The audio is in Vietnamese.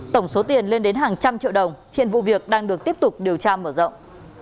tổng số tiền lên đến hàng trăm triệu đồng hiện vụ việc đang được tiếp tục điều tra mở rộng